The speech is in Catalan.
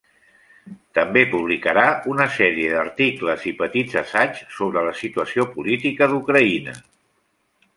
També publicarà una sèrie d'articles i petits assaigs sobre la situació política d'Ucraïna.